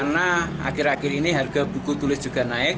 karena akhir akhir ini harga buku tulis juga naik